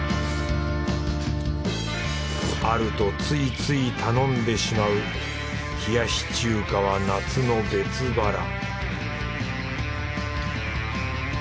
あるとついつい頼んでしまう冷やし中華は夏の別腹